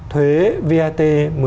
thuế vat một mươi